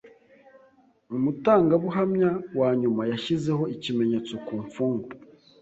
Umutangabuhamya wa nyuma yashyizeho ikimenyetso ku mfungwa.